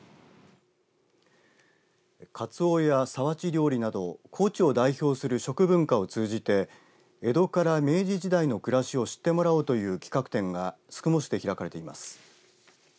かつおや皿鉢料理など高知を代表する食文化を通じて江戸から明治時代の暮らしを知ってもらおうという企画展が宿毛市で開かれています。